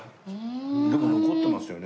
でも残ってますよね